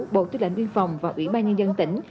bộ tư lệnh biên phòng và ủy ban nhân dân tỉnh